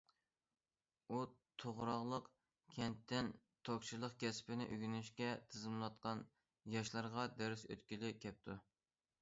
ئۇ توغراقلىق كەنتىدىن توكچىلىق كەسپىنى ئۆگىنىشكە تىزىملاتقان ياشلارغا دەرس ئۆتكىلى كەپتۇ.